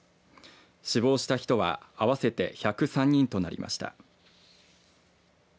死亡した人は合わせて１０３人となりました。